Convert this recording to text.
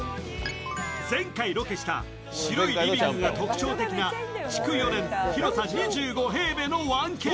前回ロケした白いリビングが特徴的な築４年、広さ２５平米の１Ｋ。